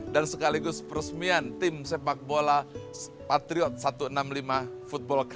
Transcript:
dan sekaligus peresmian tim sepak bola patriot satu ratus enam puluh lima fc